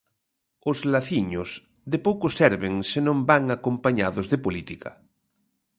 Os laciños de pouco serven se non van acompañados de política.